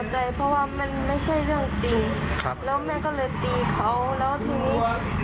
เพราะว่ามันไม่ใช่เรื่องจริงครับแล้วแม่ก็เลยตีเขาแล้วทีนี้